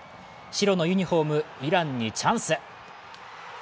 白のユニフォーム、イランにチャンス。